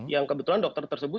ya kebetulan dokter tersebut